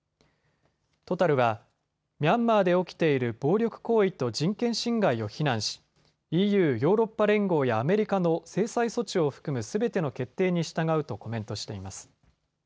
トタルはミャンマーで起きている暴力行為と人権侵害を非難しＥＵ・ヨーロッパ連合やアメリカの制裁措置を含むすべての決定に従うとコメントしています。